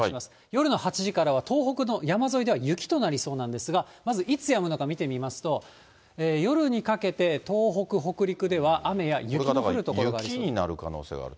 夜の８時からは、東北の山沿いでは雪となりそうなんですが、まず、いつやむのか見てみますと、夜にかけて、東北、北陸では雨や雪のだから雪になる可能性がある。